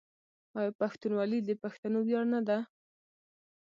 آیا پښتونولي د پښتنو ویاړ نه ده؟